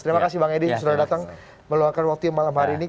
terima kasih bang edi sudah datang meluangkan waktunya malam hari ini